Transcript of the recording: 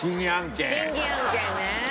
審議案件ね。